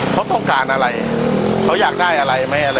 เขาต้องการอะไรเขาอยากได้อะไรไหมอะไร